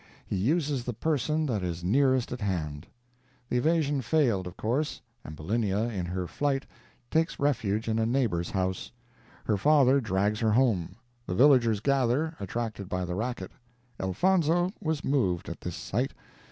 He uses the person that is nearest at hand. The evasion failed, of course. Ambulinia, in her flight, takes refuge in a neighbor's house. Her father drags her home. The villagers gather, attracted by the racket. Elfonzo was moved at this sight.